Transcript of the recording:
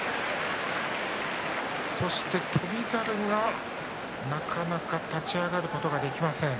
そして翔猿がなかなか立ち上がることができません。